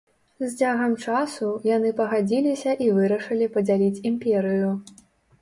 З цягам часу, яны пагадзіліся і вырашылі падзяліць імперыю.